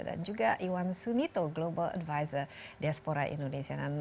dan juga iwan sunito global advisor diaspora indonesia